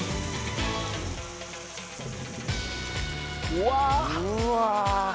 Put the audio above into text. うわ！